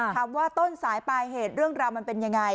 ต้นสายปลายเหตุเรื่องราวมันเป็นยังไง